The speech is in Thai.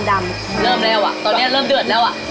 เริ่มแล้วอ่ะตอนเนี้ยเริ่มเดือดแล้วอ่ะเริ่มเดือด